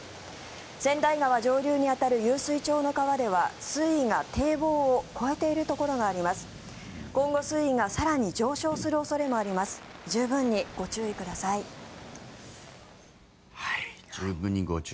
川内川上流に当たる湧水町の川では水位が堤防を越えているところがあります。